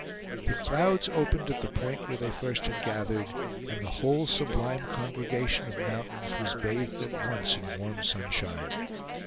The clouds opened at the point where they first had gathered, and the whole sublime congregation of mountains was bathed at once in warm sunshine.